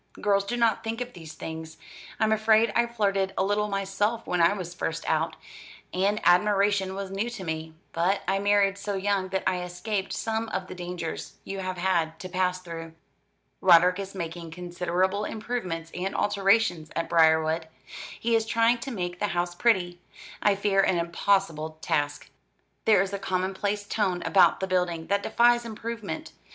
Girls do not think of these things. I'm afraid I flirted a little myself when I was first out, and admiration was new to me; but I married so young that I escaped some of the dangers you have had to pass through. "Roderick is making considerable improvements and alterations at Briarwood. He is trying to make the house pretty I fear an impossible task. There is a commonplace tone about the building that defies improvement.